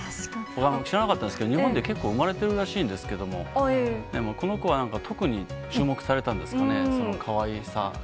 知らなかったんですけど、日本で結構生まれてるらしいんですけれども、でも、この子はなんか、特に注目されたんですかね、そのかわいさが。